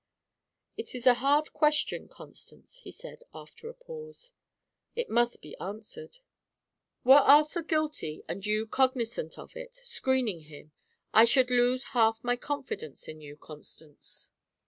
"It is a hard question, Constance," he said, after a pause. "It must be answered." "Were Arthur guilty and you cognizant of it screening him I should lose half my confidence in you, Constance."